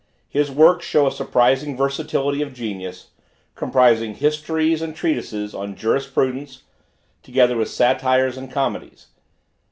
His works show a surprising versatility of genius, comprising Histories and Treatises on Jurisprudence, together with Satires and Comedies.